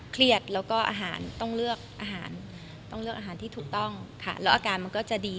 เครียดแล้วก็อาหารต้องเลือกอาหารต้องเลือกอาหารที่ถูกต้องค่ะแล้วอาการมันก็จะดี